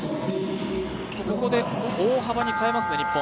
ここで、大幅に変えます、日本。